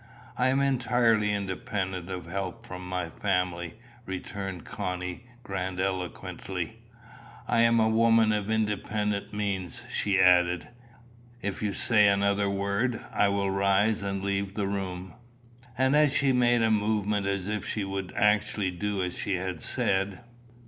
"I am entirely independent of help from my family," returned Connie grandiloquently. "I am a woman of independent means," she added. "If you say another word, I will rise and leave the room." And she made a movement as if she would actually do as she had said.